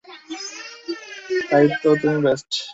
তাই তো, তুমিই বেস্ট।